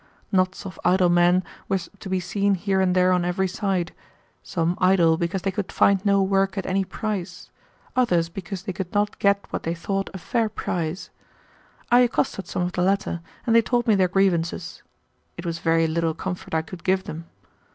Knots of idle men were to be seen here and there on every side, some idle because they could find no work at any price, others because they could not get what they thought a fair price. I accosted some of the latter, and they told me their grievances. It was very little comfort I could give them.